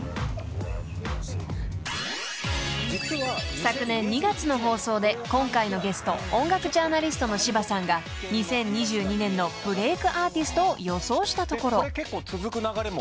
［昨年２月の放送で今回のゲスト音楽ジャーナリストの柴さんが２０２２年のブレークアーティストを予想したところ］